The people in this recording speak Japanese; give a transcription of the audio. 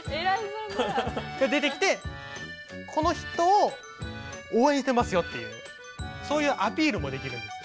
が出てきてこの人を応援してますよっていうそういうアピールもできるんです。